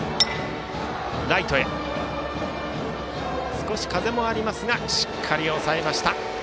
少し風もありますがライト、しっかり抑えました。